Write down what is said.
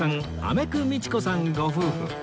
めくみちこさんご夫婦